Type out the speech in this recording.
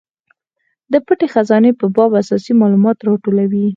د پټې خزانې په باب اساسي مالومات راټولوي.